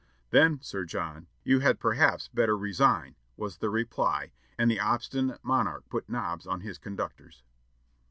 "Then, Sir John, you had perhaps better resign," was the reply, and the obstinate monarch put knobs on his conductors.